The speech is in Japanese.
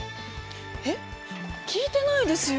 えっ聞いてないですよ。